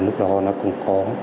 lúc đó nó cũng có